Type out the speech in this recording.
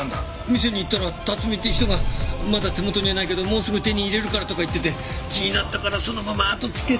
店に行ったら辰巳って人がまだ手元にはないけどもうすぐ手に入れるからとか言ってて気になったからそのままあとをつけて。